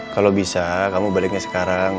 kalau bisa kamu baliknya sekarang